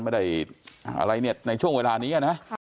ไม่ได้อะไรเนี่ยในช่วงเวลานี้นะ